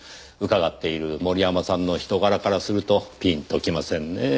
伺っている森山さんの人柄からするとピンときませんねぇ。